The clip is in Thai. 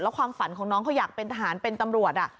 ความฝันของน้องเขาอยากเป็นทหารเป็นตำรวจ